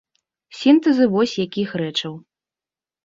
Сінтэзу вось якіх рэчаў.